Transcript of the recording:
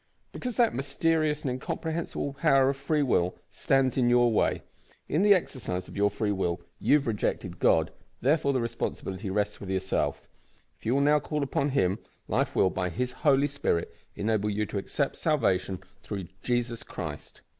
"Because that mysterious and incomprehensible power of Free Will stands in your way. In the exercise of your free will you have rejected God, therefore the responsibility rests with yourself. If you will now call upon Him, life will, by His Holy Spirit, enable you to accept salvation through Jesus Christ."